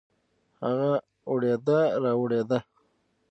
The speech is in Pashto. هغه اوړېده رااوړېده.